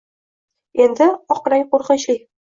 Endi oq rang qoʼrqinchli…